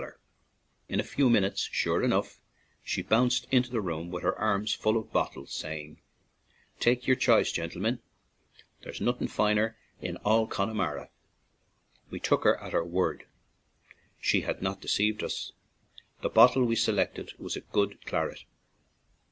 74 LEENANE TO RECESS In a few minutes, sure enough, she bounced into the room with her arms full of hot ties, saying: "Take yer ch'ice, gin tie men; there's nothin' foiner in all Con nemara!" We took her at her word; she had not deceived us — the bottle we selected was a good claret.